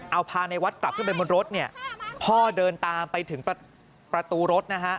เอาพาในวัดกลับขึ้นไปบนรถเนี่ยพ่อเดินตามไปถึงประตูรถนะฮะ